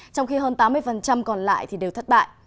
trong khi hơn tám mươi còn lại thì đều thất bại